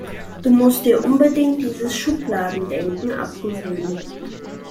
Du musst dir unbedingt dieses Schubladendenken abgewöhnen.